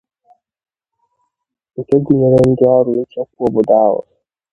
nke gụnyere ndị ọrụ nchekwa obodo ahụ